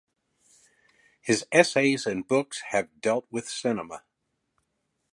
His essays and books have dealt with cinema.